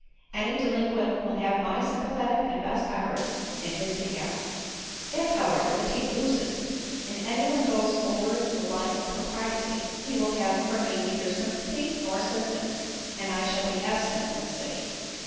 Any delinquent will have my sympathetic and best efforts in his behalf. If, however, the team loses, and any one goes over the line of propriety, he will have from me neither sympathy nor assistance and I shall be absent from the city."